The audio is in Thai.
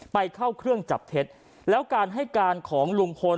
ไปเข้าเครื่องจับเท็จแล้วการให้การของลุงพล